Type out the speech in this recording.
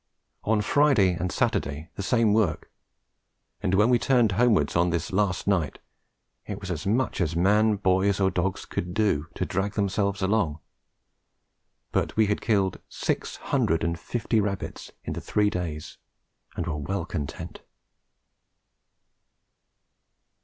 On Friday and Saturday the same work, and when we turned homewards on this last night, it was as much as man, boys or dogs could do to drag themselves along; but we had killed six hundred and fifty rabbits in the three days and were well content.